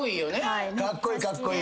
はい。